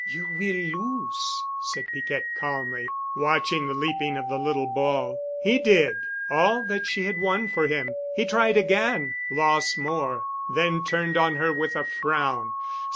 "You will lose," said Piquette calmly, watching the leaping of the little ball. He did—all that she had won for him. He tried again, lost more, then turned on her with a frown.